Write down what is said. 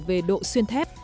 về độ xuyên thép